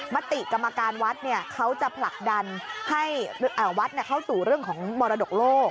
มติกรรมการวัดเขาจะผลักดันให้วัดเข้าสู่เรื่องของมรดกโลก